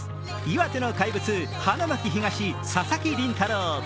岩手の怪物、花巻東・佐々木麟太郎。